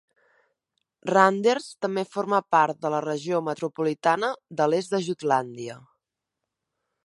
Randers també forma part de la Regió metropolitana de l'est de Jutlàndia.